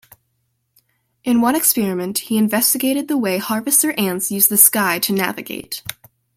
In one experiment, he investigated the way harvester ants used the sky to navigate.